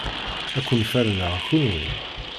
Ad ken-ferneɣ kenwi!